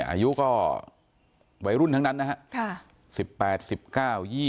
อายุก็ไว้รุ่นทั้งนั้นนะฮะ